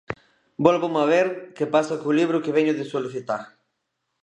Vólvome a ver que pasa co libro que veño de solicitar.